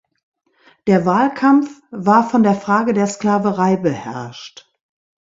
Der Wahlkampf war von der Frage der Sklaverei beherrscht.